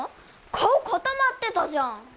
顔固まってたじゃん